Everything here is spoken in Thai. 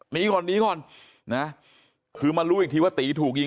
หนีก่อนหนีก่อนนะคือมารู้อีกทีว่าตีถูกยิง